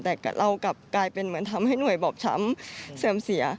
แต่เรากลับกลายเป็นเหมือนทำให้หน่วยบอบช้ำเสื่อมเสีย